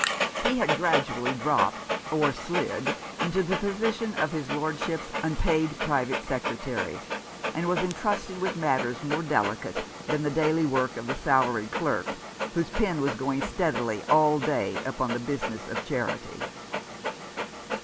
He had gradually dropped — or slid — into 223 Rough Justice. the position of his lordship's unpaid private secretary, and was entrusted with matters more delicate than the daily work of the salaried clerk, whose pen was going steadily all day upon the business of charity.